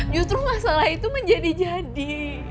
justru masalah itu menjadi jadi